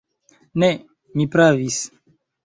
Ne, mi pravis!